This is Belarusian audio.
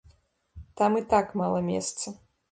Там і так мала месца.